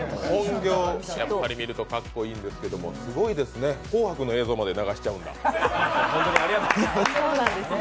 本業を見るとかっこいいんですけど、すごいですね、「紅白」の映像も流しちゃうんだ。